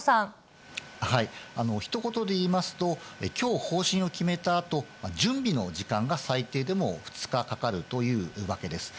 ひと言で言いますと、きょう方針を決めたあと、準備の時間が最低でも２日かかるというわけです。